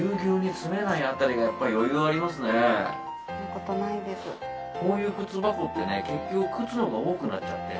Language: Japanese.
こういう靴箱って靴のほうが多くなっちゃって。